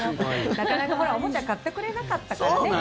なかなか、おもちゃ買ってくれなかったからね。